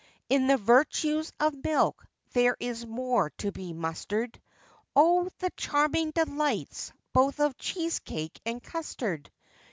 In the virtues of milk there is more to be mustered: O! the charming delights both of cheesecake and custard!